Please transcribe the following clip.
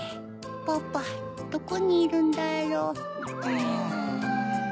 パパどこにいるんだろう。